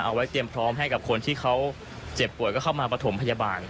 เอาไว้เตรียมพร้อมให้กับคนที่เขาเจ็บป่วยก็เข้ามาประถมพยาบาล